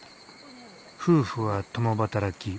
夫婦は共働き。